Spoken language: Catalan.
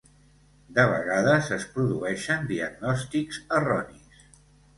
De vegades es produeixen diagnòstics erronis.